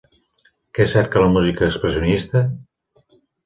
Què cerca la música expressionista?